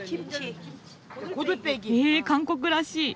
ええ韓国らしい！